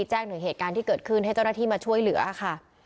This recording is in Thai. หนึ่งเหตุการณ์ที่เกิดขึ้นให้เจ้าหน้าที่มาช่วยเหลือค่ะ